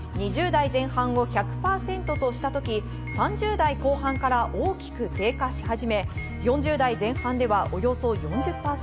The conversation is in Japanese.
２０代前半を１００％とした時、３０代後半から大きく低下し始め、４０代前半ではおよそ４０％。